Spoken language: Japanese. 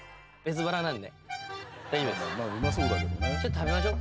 食べましょう。